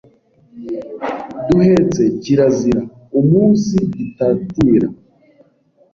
duhetse kirazira umunsigitatira;